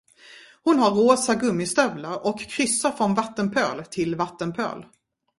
Hon har rosa gummistövlar och kryssar från vattenpöl till vattenpöl.